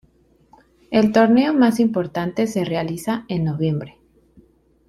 El torneo más importante se realiza en noviembre.